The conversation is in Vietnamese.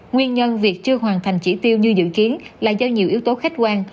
nguyên nhân việc chưa hoàn thành chỉ tiêu như dự kiến là do nhiều yếu tố khách quan